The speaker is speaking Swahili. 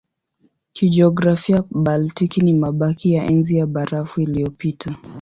Kijiografia Baltiki ni mabaki ya Enzi ya Barafu iliyopita.